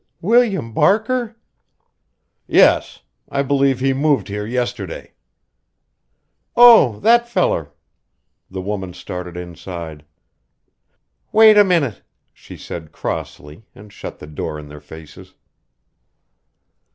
"William Barker?" "Yes. I believe he moved here yesterday." "Oh, that feller!" The woman started inside. "Wait a minute," she said crossly, and shut the door in their faces.